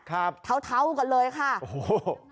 ครับเทาเทากันเลยค่ะโอ้โห